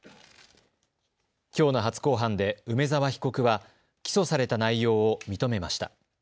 きょうの初公判で梅澤被告は起訴された内容を認めました。